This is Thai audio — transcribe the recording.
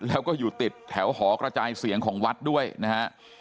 แล้วก็อยู่ติดแถวหอกระจายเสียงของวัดด้วยนะฮะ